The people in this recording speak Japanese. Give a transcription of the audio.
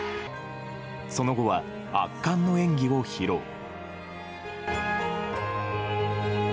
その後は圧巻の演技を披露。